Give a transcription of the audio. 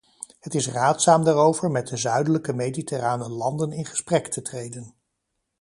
Het is raadzaam daarover met de zuidelijke mediterrane landen in gesprek te treden.